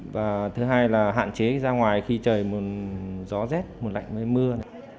và thứ hai là hạn chế ra ngoài khi trời gió rét lạnh mưa